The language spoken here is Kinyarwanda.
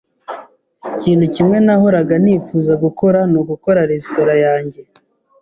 Ikintu kimwe nahoraga nifuza gukora ni ugukora resitora yanjye.